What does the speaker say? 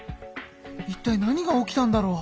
いったい何が起きたんだろう？